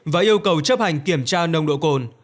và yêu cầu chấp hành kiểm tra nồng độ cồn